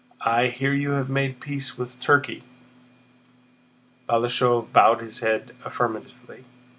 "I hear you have made peace with Turkey?" Balashëv bowed his head affirmatively.